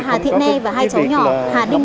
và quỹ bán trưởng an